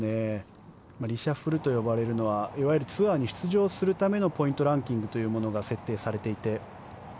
リシャッフルと呼ばれるのはいわゆるツアーに出場するためのポイントランキングというものが設定されていて。